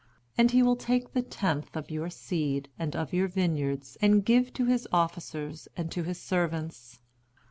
"And he will take the tenth of your seed, and of your vineyards, and give to his officers, and to his servants."